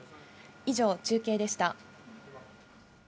以上、中継でした。